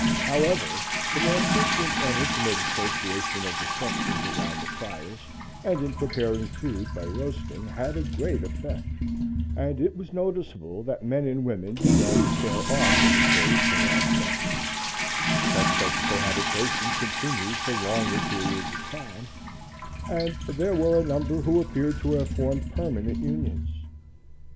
However, the more frequent and intimate association of the sexes around the fires and in preparing food by roasting, had a great effect, and it was noticeable that men and women began to pair off in the caves and rock shelters; that such cohabitation continued for longer periods of time, and there were a number who appeared to have formed permanent unions.